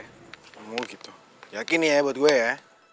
emang gitu yakin ya buat gue ya